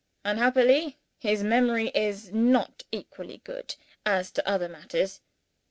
Unhappily, his memory is not equally good, as to other matters.